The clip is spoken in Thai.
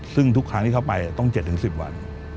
ซึ่งทุกครั้งที่เข้าไปต้อง๗๑๐วัน